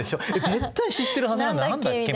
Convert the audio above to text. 絶対知ってるはずなのに何だっけ？」